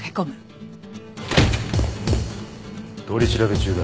取り調べ中だ。